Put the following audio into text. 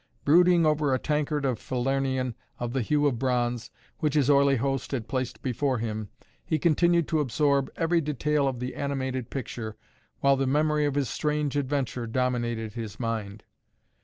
Brooding over a tankard of Falernian of the hue of bronze, which his oily host had placed before him, he continued to absorb every detail of the animated picture, while the memory of his strange adventure dominated his mind.